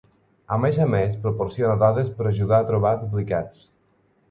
A més a més, proporciona dades per ajudar a trobar duplicats.